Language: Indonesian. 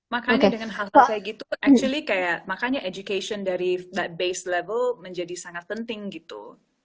makanya dengan hal hal kayak gitu actually kayak makanya education dari based level menjadi sangat penting gitu